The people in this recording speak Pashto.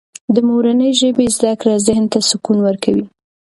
د مورنۍ ژبې زده کړه ذهن ته سکون ورکوي.